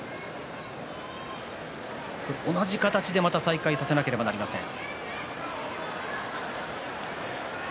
同じ形でまた再開させなければいけません。